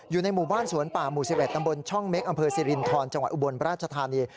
อยู่ในหมู่บ้านสวนป่าหมู่๑๑ตำบลช่องเม็กอำเภอสิรินทรจังหวัดอุบลราชธานี